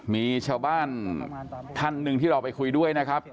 มีชาวบ้านท่านหนึ่งที่เราไปคุยด้วยนะครับ